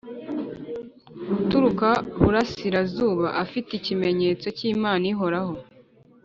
aturuka burasirazuba afite ikimenyetso cy Imana ihoraho